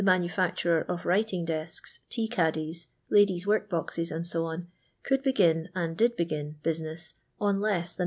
i:iufic turer of writing df'sks, tea caddies, ladies' work boxe.4. &c.. could begin, and did begin, business ca less than ok.